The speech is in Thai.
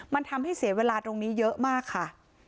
มันทำให้เสียเวลาตรงนี้เยอะมากค่ะ